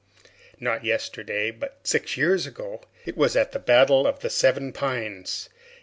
Not yesterday, but six years ago. It was at the battle of the Seven Pines.